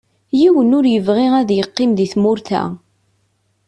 Yiwen ur yebɣi ad yeqqim di tmurt-a.